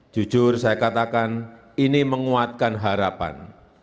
jujur saya katakan ini menguatkan harapan